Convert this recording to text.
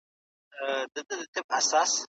آیا هډوکي تر غوښې درانده دي؟